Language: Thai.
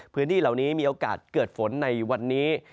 พื้นที่เหล่านี้มีโอกาสเกิดฝนในวันนี้